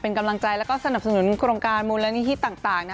เป็นกำลังใจแล้วก็สนับสนุนโครงการมูลนิธิต่าง